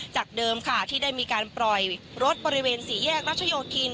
จากเดิมค่ะที่ได้มีการปล่อยรถบริเวณสี่แยกรัชโยธิน